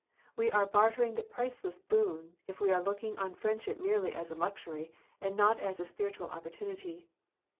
We are bartering the priceless boon, if we are looking on friendship merely as a luxury, and not as a spiritual oppor tunity.